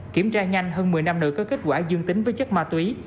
kiểm tra nhanh hơn một mươi năm nữa có kết quả dương tính với chất ma túy